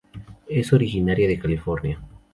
Es originaria de California.